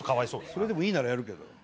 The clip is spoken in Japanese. それでもいいならやるけど。